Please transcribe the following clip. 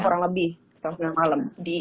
kurang lebih setelah sembilan malam